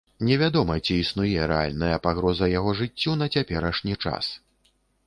Невядома, ці існуе рэальная пагроза яго жыццю на цяперашні час.